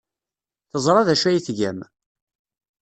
Teẓra d acu ay tgam.